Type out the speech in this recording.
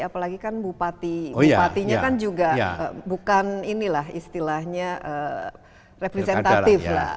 apalagi kan bupatinya kan juga bukan istilahnya representatif